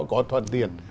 có thuận tiền